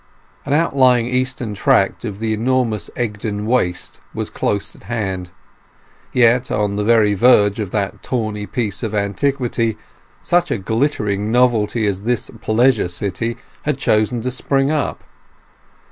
An outlying eastern tract of the enormous Egdon Waste was close at hand, yet on the very verge of that tawny piece of antiquity such a glittering novelty as this pleasure city had chosen to spring up.